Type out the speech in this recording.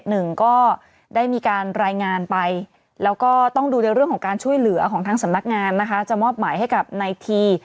หนึ่งก็ได้มีการรายงานไปแล้วก็ต้องดูในเรื่องของการช่วยเหลือของทางสำนักงานนะคะจะมอบหมายให้กับในที